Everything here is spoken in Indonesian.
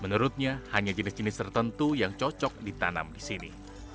menurutnya hanya jenis jenis tertentu yang cocok ditanam di sini